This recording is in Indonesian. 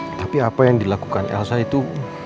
tetapi apa yang dilakukan elsa itu